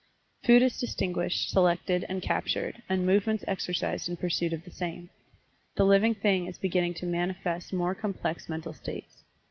Food is distinguished, selected and captured, and movements exercised in pursuit of the same. The living thing is beginning to manifest more complex mental states.